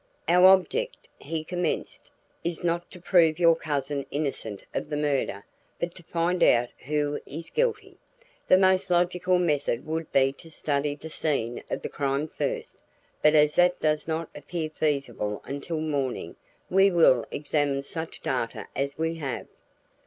"Our object," he commenced, "is not to prove your cousin innocent of the murder, but to find out who is guilty. The most logical method would be to study the scene of the crime first, but as that does not appear feasible until morning, we will examine such data as we have.